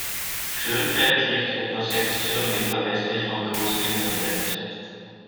Schönfeld liegt etwa sechs Kilometer westlich von Großrinderfeld.